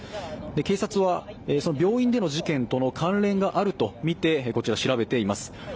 警察はその病院での事件との関連があるとみて調べています。